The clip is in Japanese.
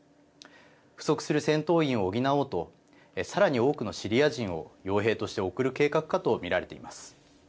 不足する戦闘員を補おうとさらに多くのシリア人をよう兵として送る計画かと見られています。